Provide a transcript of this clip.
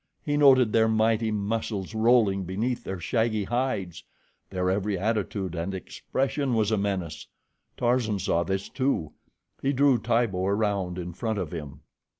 He noted their mighty muscles rolling beneath their shaggy hides. Their every attitude and expression was a menace. Tarzan saw this, too. He drew Tibo around in front of him.